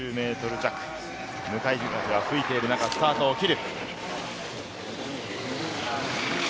強い風が吹いている中、スタートを切る。